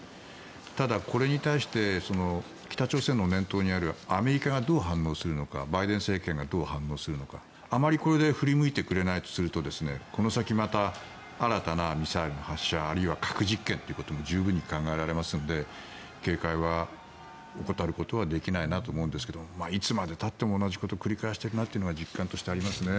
ただ、これに対して北朝鮮の念頭にあるアメリカがどう反応するのかバイデン大統領がどう反応するのかあまりこれで振り向いてくれないとするとこの先また新たなミサイルの発射あるいは核実験ということも十分に考えられますので警戒は怠ることはできないと思うんですがいつまでたっても同じことを繰り返しているなというのが実感としてありますね。